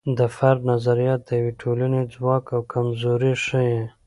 د فرد نظریات د یوې ټولنې ځواک او کمزوري ښیي.